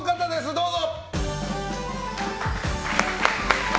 どうぞ！